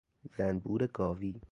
زنبور گاوی